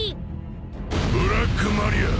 ブラックマリア